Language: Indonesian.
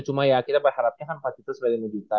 cuma ya kita berharapnya kan empat juta sampai lima juta